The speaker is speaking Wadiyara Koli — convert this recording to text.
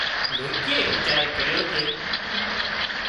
لونڪيئي ويچار ڪريو ڪي